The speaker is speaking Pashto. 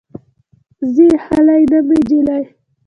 ځي خلې نه مې جلۍ